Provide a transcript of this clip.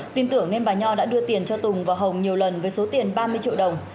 tin tưởng nên bà nho đã đưa tiền cho tùng và hồng nhiều lần với số tiền ba mươi triệu đồng